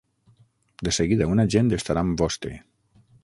De seguida un agent estarà amb vostè.